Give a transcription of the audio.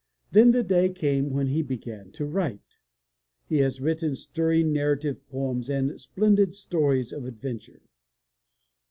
Then the day came when he began to write. He has written stir ring narrative poems and splendid stories of adventure.